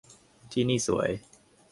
ที่นี่สวย